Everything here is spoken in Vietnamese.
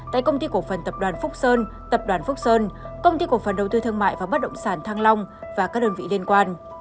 tại công ty cổ phần tập đoàn phúc sơn tập đoàn phúc sơn công ty cổ phần đầu tư thương mại và bất động sản thăng long và các đơn vị liên quan